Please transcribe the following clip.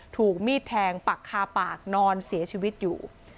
ถูกมีดแทงปักคาปากนอนเสียชีวิตอยู่